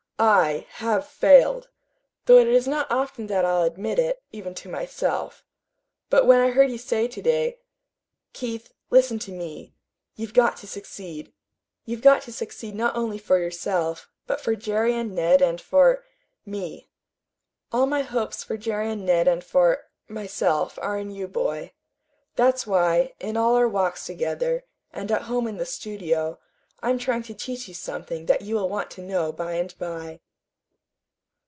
I HAVE FAILED though it is not often that I'll admit it, even to myself. But when I heard you say to day "Keith, listen to me. You've got to succeed. You've got to succeed not only for yourself, but for Jerry and Ned, and for me. All my hopes for Jerry and Ned and for myself are in you, boy. That's why, in all our walks together, and at home in the studio, I'm trying to teach you something that you will want to know by and by."